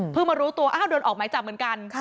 เพิ่งมารู้ตัวโดนออกหมายจับเหมือนกัน